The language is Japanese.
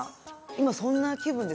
今そんな気分ですね。